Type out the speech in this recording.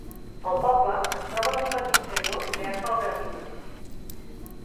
El poble es troba en un petit canyó creat pel Gravina.